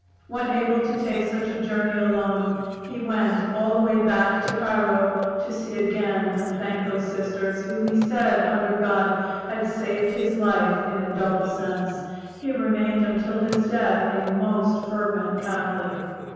When able to take such a journey alone, he went all the way back to Cairo to see again and thank those Sisters, who, he said, under God, had saved his life in a double sense. He remained until his death a most fervent Catholic.